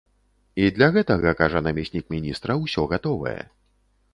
І для гэтага, кажа намеснік міністра, усё гатовае.